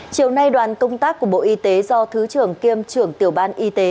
chiều nay đoàn công tác của bộ y tế do thứ trưởng kiêm trưởng tiểu ban y tế